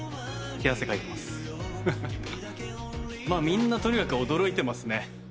みんなとにかく驚いてますね。